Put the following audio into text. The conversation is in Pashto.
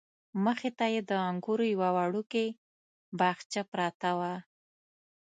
مخې ته یې د انګورو یوه وړوکې باغچه پرته وه.